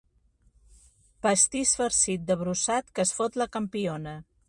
Pastís farcit de brossat que es fot la campiona.